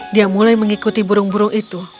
dia mulai mengikuti burung burung itu